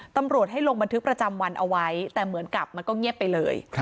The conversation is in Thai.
ตำรวจให้ลงบันทึกประจำวันเอาไว้แต่เหมือนกับมันก็เงียบไปเลย